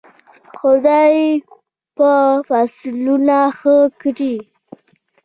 خدای به فصلونه ښه کړي.